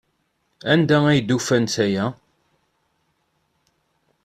Anda ay d-ufant aya?